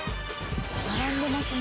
「並んでますね」